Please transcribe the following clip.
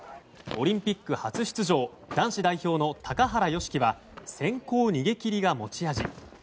オリンピック初出場男子代表の高原宜希は先行逃げ切りが持ち味。